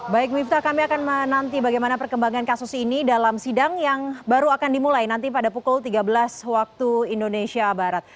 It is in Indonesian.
baik miftah kami akan menanti bagaimana perkembangan kasus ini dalam sidang yang baru akan dimulai nanti pada pukul tiga belas waktu indonesia barat